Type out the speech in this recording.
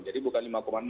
jadi bukan lima enam